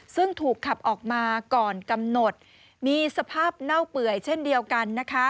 ซึ่งถูกขับออกมาก่อนกำหนดมีสภาพเน่าเปื่อยเช่นเดียวกันนะคะ